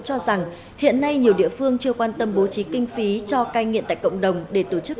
cho rằng hiện nay nhiều địa phương chưa quan tâm bố trí kinh phí cho cai nghiện tại cộng đồng để tổ chức